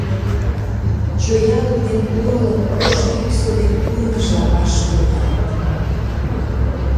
Чоялык ден порылык ош йӱксӧ ден курныжла ваш кредалыт.